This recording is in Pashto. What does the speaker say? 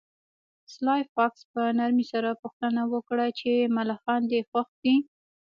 سلای فاکس په نرمۍ سره پوښتنه وکړه چې ملخان دې خوښ دي